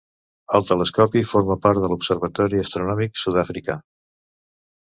El telescopi forma part de l'Observatori Astronòmic Sud-africà.